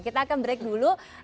kita akan break dulu